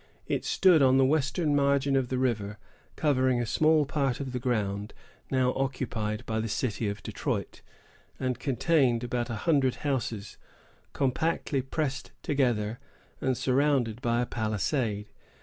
It stood on the western margin of the river, covering a small part of the ground now occupied by the city of Detroit, and contained about a hundred houses, compactly pressed together, and surrounded by a palisade.